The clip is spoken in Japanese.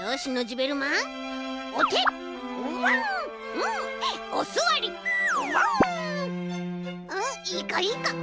うんいいこいいこ。